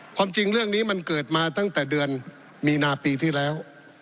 ความจริงเรื่องนี้มันเกิดมาตั้งแต่เดือนมีนาปีที่แล้ว